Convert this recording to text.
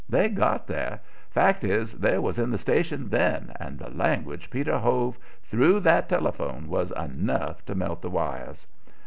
They'd got there; fact is, they was in the station then, and the language Peter hove through that telephone was enough to melt the wires.